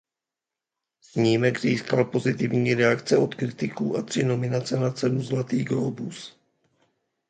Snímek získal pozitivní reakce od kritiků a tři nominace na cenu Zlatý glóbus.